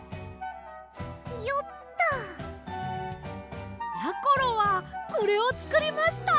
よっと！やころはこれをつくりました！